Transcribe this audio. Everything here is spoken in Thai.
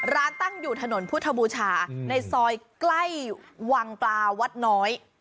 ตั้งอยู่ถนนพุทธบูชาในซอยใกล้วังปลาวัดน้อย